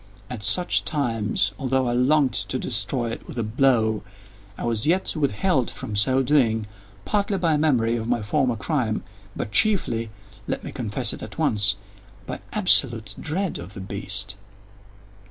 At such times, although I longed to destroy it with a blow, I was yet withheld from so doing, partly by a memory of my former crime, but chiefly—let me confess it at once—by absolute dread of the beast.